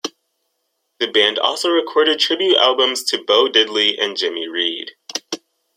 The band also recorded tribute albums to Bo Diddley and Jimmy Reed.